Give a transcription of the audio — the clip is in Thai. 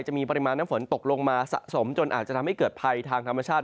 จะมีปริมาณน้ำฝนตกลงมาสะสมจนอาจจะทำให้เกิดภัยทางธรรมชาติ